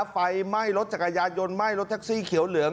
ไฟไหม้รถจักรยานยนต์ไหม้รถแท็กซี่เขียวเหลือง